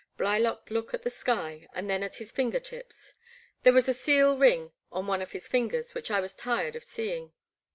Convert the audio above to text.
'' Blylock looked at the sky and then at his finger tips. There was a seal ring on one of his fingers which I was tired of seeing.